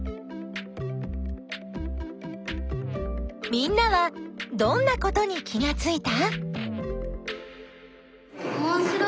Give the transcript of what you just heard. みんなはどんなことに気がついた？